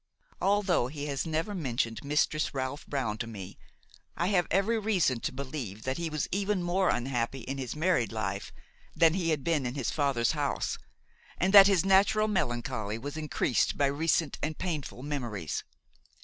Although he has never mentioned Mistress Ralph Brown to me, I have every reason to believe that he was even more unhappy in his married life than he had been in his father's house, and that his natural melancholy was increased by recent and painful memories.